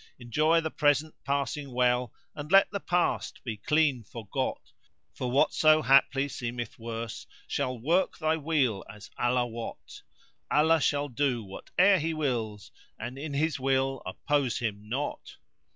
Enjoy the Present passing well * And let the Past be clean forgot For whatso haply seemeth worse * Shall work thy weal as Allah wot Allah shall do whate'er He wills * And in His will oppose Him not.